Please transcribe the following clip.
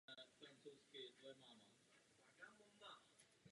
Nejčastěji hrají ve své rodné zemi a do zahraničí vyráží hlavně v období turné.